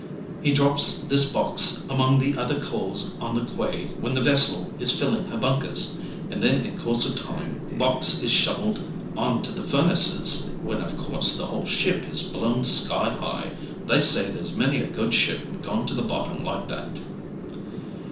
He drops this box among the other coals on the quay when the vessel is filling her bunkers, and then in course of time box is shoveled on to the furnaces, when of course the whole ship is blown sky high. They say there's many a good ship gone to the bottom like that."